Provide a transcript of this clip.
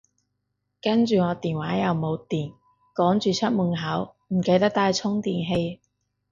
跟住我電話又冇電，趕住出門口，唔記得帶叉電器